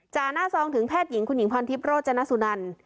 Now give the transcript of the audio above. หน้าซองถึงแพทย์หญิงคุณหญิงพรทิพย์โรจนสุนัน